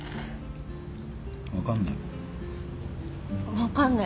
分かんない。